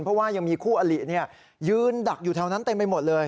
เพราะว่ายังมีคู่อลิยืนดักอยู่แถวนั้นเต็มไปหมดเลย